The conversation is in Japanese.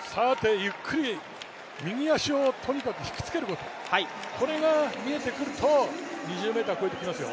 ゆっくり右足をとにかく引きつけることこれが見えてくると２０ｍ越えてきますよ。